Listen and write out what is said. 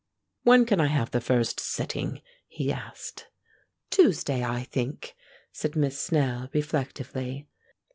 "When can I have the first sitting?" he asked. "Tuesday, I think," said Miss Snell, reflectively.